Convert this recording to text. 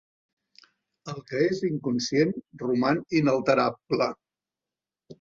El que és inconscient roman inalterable.